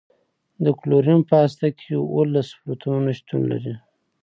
د کلورین په هسته کې اوولس پروتونونه شتون لري.